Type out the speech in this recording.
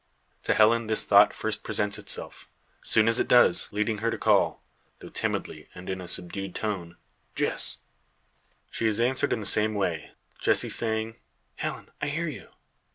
To Helen this thought first presents itself; soon as it does, leading her to call, though timidly and in subdued tone, "Jess!" She is answered in the same way, Jessie saying, "Helen, I hear you."